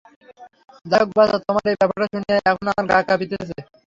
যাই হোক বাছা, তোমার এই ব্যাপারটা শুনিয়া এখনো আমার গা কাঁপিতেছে।